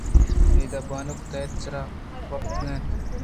اِدا بانک تحت ءِ سرا وپتگ اَت